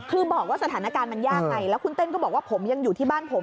คือบอกว่าสถานการณ์มันยากไงแล้วคุณเต้นก็บอกว่าผมยังอยู่ที่บ้านผม